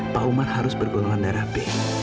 pak umar harus bergolongan darah p